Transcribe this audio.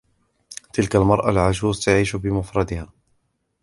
تلك المرأة العجوز تعيش بمفردها.